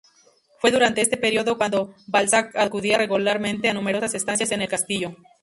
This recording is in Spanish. Fue durante este período cuando Balzac acudía regularmente a numerosas estancias en el castillo.